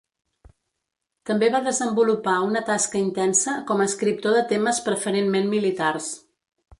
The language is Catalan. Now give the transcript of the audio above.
També va desenvolupar una tasca intensa com a escriptor de temes preferentment militars.